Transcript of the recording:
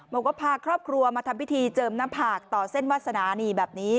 บอกว่าพาครอบครัวมาทำพิธีเจิมหน้าผากต่อเส้นวาสนานี่แบบนี้